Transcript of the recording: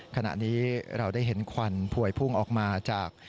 ขณะนี้เราได้เห็นควันพวยพุ่งออกมาจาก